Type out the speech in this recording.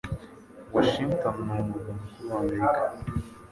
Washington ni umurwa mukuru wa Amerika.